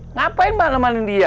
ngapain mau nemanin dia